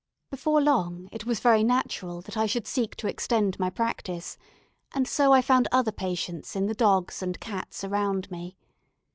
Before long it was very natural that I should seek to extend my practice; and so I found other patients in the dogs and cats around me.